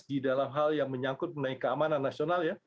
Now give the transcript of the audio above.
di dalam hal yang menyangkut menaik keamanan nasional